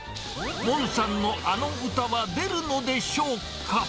モンさんのあの歌は出るのでしょうか。